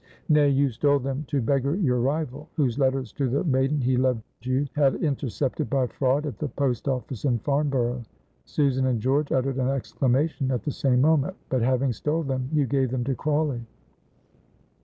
"Nay, you stole them to beggar your rival, whose letters to the maiden he loved you had intercepted by fraud at the post office in Farnborough." Susan and George uttered an exclamation at the same moment. "But, having stole them, you gave them to Crawley."